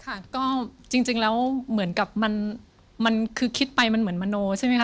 ค่ะก็จริงแล้วเหมือนกับมันคือคิดไปมันเหมือนมโนใช่ไหมค